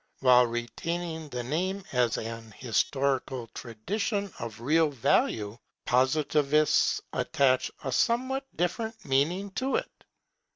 While retaining the name as an historical tradition of real value, Positivists attach a somewhat different meaning to it.